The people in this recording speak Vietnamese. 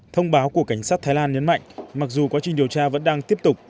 thông báo của cảnh sát thái lan nhấn mạnh mặc dù quá trình điều tra vẫn đang tiếp tục